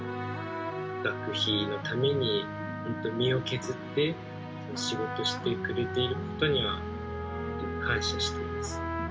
学費のために、本当に身を削って仕事をしてくれていることには、感謝しています。